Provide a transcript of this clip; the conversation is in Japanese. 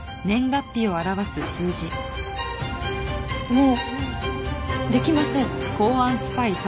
もうできません。